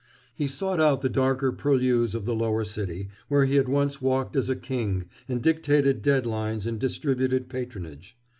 He sought out the darker purlieus of the lower city, where he had once walked as a king and dictated dead lines and distributed patronage.